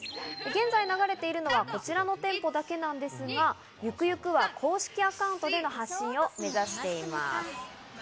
現在流れているのはこちらの店舗だけなんですが、ゆくゆくは公式アカウントでの発信を目指しています。